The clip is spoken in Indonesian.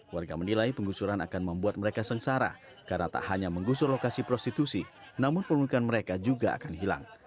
warga menilai penggusuran akan membuat mereka sengsara karena tak hanya menggusur lokasi prostitusi namun pendudukan mereka juga akan hilang